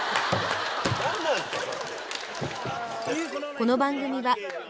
何なんすかそれ！